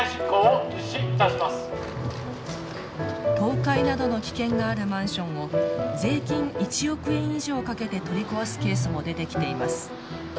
倒壊などの危険があるマンションを税金１億円以上かけて取り壊すケースも出てきています。